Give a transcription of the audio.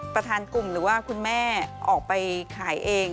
ประธานกลุ่มหรือว่าคุณแม่ออกไปขายเอง